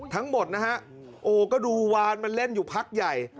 ทั้งหมดนะฮะโอ้ก็ดูวานมันเล่นอยู่พักใหญ่